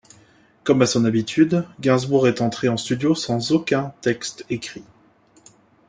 Comme à son habitude, Gainsbourg est entré en studio sans aucun texte écrit.